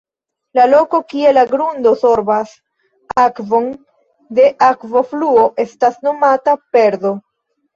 La loko, kie la grundo sorbas akvon de akvofluo estas nomata "perdo".